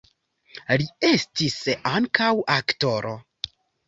Li estis ankaŭ aktoro.